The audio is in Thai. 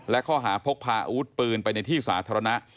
และข้อหาพกพาอาวุธปืนไปในที่สาธารณะ